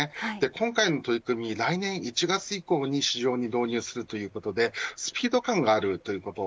今回の取り組み、来年１月以降に市場に導入するということでスピード感があるということ。